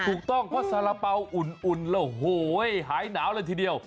ถูกต้องเพราะสละเป้าอุ่นหายหนาวเลยทีเดียว